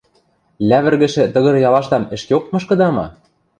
Лявӹргӹшӹ тыгыр-ялашдам ӹшкеок мышкыда ма?